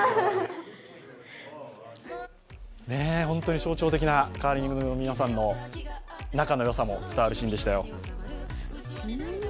本当に象徴的なカーリングの皆さんの仲の良さも伝わるシーンでしたよ。